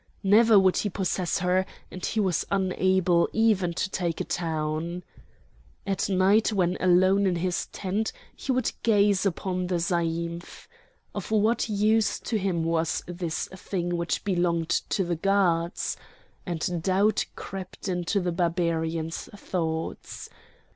Never would he possess her, and he was unable even to take a town. At night when alone in his tent he would gaze upon the zaïmph. Of what use to him was this thing which belonged to the gods?—and doubt crept into the Barbarian's thoughts.